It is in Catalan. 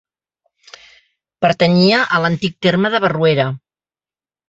Pertanyia a l'antic terme de Barruera.